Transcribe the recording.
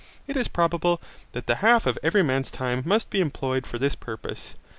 It is probable that the half of every man's time must be employed for this purpose.